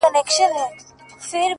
ستا د دواړو سترگو سمندر گلي-